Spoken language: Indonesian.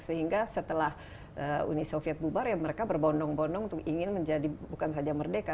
sehingga setelah uni soviet bubar ya mereka berbondong bondong untuk ingin menjadi bukan saja merdeka